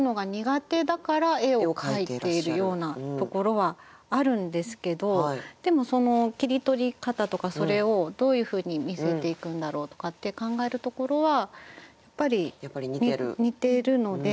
ようなところはあるんですけどでもその切り取り方とかそれをどういうふうに見せていくんだろうとかって考えるところはやっぱり似てるので。